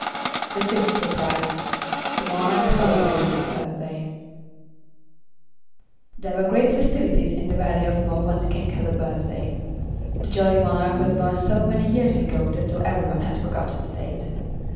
The Fifth Surprise THE MONARCH CELEBRATES HIS BIRTHDAY There were great festivities in the Valley of Mo when the King had a birthday. The jolly monarch was born so many years ago that so every one had forgotten the date.